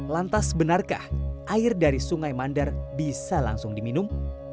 lantas benarkah air dari sungai mandar bisa langsung diminum